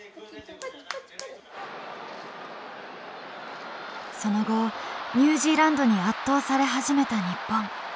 その後ニュージーランドに圧倒され始めた日本。